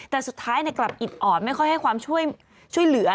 แต่สุดท้ายกลับอิดอ่อนไม่ค่อยให้ความช่วยเหลือ